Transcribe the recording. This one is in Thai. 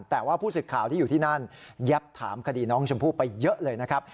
แต่ว่าผู้สื่อข่าวที่อยู่ที่นั่นแยบถามคดีน้องชมพู่ไปเยอะเลยนะครับ